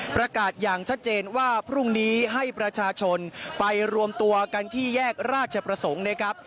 อย่างชัดเจนว่าพรุ่งนี้ให้ประชาชนไปรวมตัวกันที่แยกราชประสงค์นะครับ